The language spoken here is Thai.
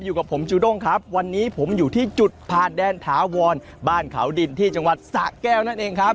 อยู่กับผมจูด้งครับวันนี้ผมอยู่ที่จุดผ่านแดนถาวรบ้านเขาดินที่จังหวัดสะแก้วนั่นเองครับ